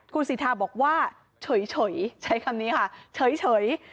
คุณสิทธาบอกว่าเฉยใช้คำนี้ค่ะเฉย